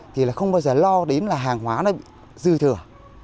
thì là không bao giờ lo đến là hàng hóa nó dư thừa